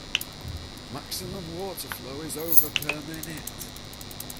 Maximum water flow is over per minute.